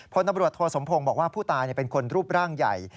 พลตำรวจโทสมพงศ์บอกว่าผู้ตายเป็นคนรูปร่างใหญ่